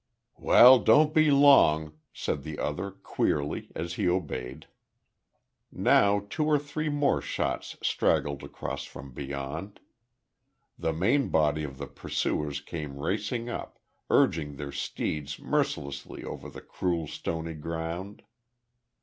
"Well, don't be long," said the other queerly, as he obeyed. Now two or three more shots straggled across from beyond. The main body of the pursuers came racing up, urging their steeds mercilessly over the cruel, stony ground.